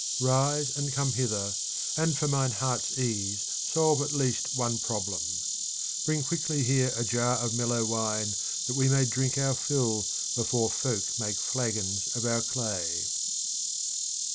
Rise and come hither, and for mine heart's ease solve at least one problem. Bring quickly here a jar of mellow wine that we may drink our fill before folk make flagons of our clay.